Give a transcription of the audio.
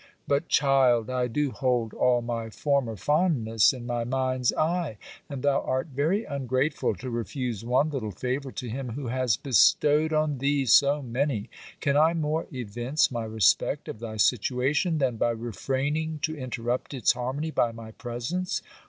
But child, I do hold all my former fondness in my mind's eye; and thou art very ungrateful to refuse one little favour to him who has bestowed on thee so many. Can I more evince my respect of thy situation than by refraining to interrupt its harmony by my presence?